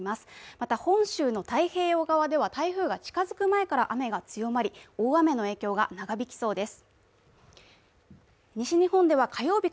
また、本州の太平洋側では台風が近づく前から雨が強まり、大雨の影響が長引きそうです。